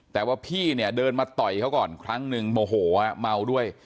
แต่ว่าพี่เนี่ยเดินมาต่อยเขาก่อนครั้งหนึ่งโมโหเมาด้วย